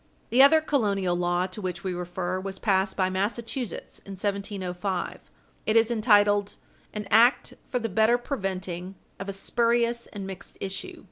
The other colonial law to which we refer was passed by Massachusetts in 1705 (chap. 6). It is entitled "An act for the better preventing of a spurious and mixed issue," &c.